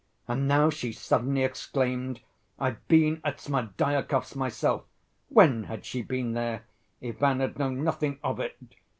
And now she suddenly exclaimed: "I've been at Smerdyakov's myself!" When had she been there? Ivan had known nothing of it.